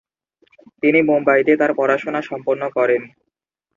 তিনি মুম্বাইতে তার পড়াশোনা সম্পন্ন করেন।